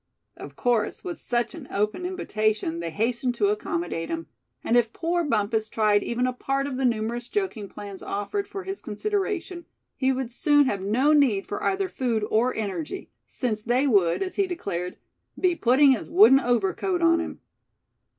Of course, with such an open invitation, they hastened to accomodate him; and if poor Bumpus tried even a part of the numerous joking plans offered for his consideration, he would soon have no need for either food or energy, since they would, as he declared, be "putting his wooden overcoat on him."